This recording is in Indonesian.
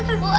itu itu apa